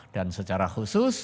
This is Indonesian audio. dan secara khusus